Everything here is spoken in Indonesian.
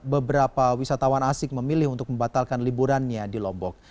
beberapa wisatawan asing memilih untuk membatalkan liburannya di lombok